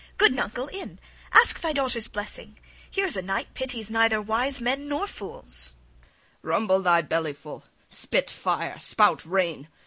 Good Nuncle, in; ask thy daughter's blessing: here's a night pities neither wise men nor fools." SVIETLOVIDOFF. "Rumble thy bellyful! spit, fire! spout, rain!